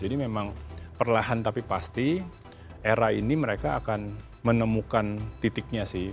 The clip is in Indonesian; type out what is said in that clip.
jadi memang perlahan tapi pasti era ini mereka akan menemukan titiknya sih